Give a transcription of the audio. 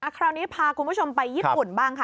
คราวนี้พาคุณผู้ชมไปญี่ปุ่นบ้างค่ะ